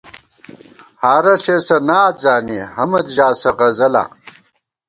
ہارہ ݪېسہ نعت زانی حمد ژاسہ غزَلاں